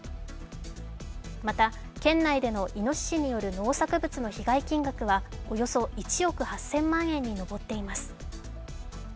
また、県内でのイノシシによる農作物の被害金額はおよそ１億８０００万円に上っています。